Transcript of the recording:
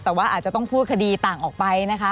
แต่ว่าอาจจะต้องพูดคดีต่างออกไปนะคะ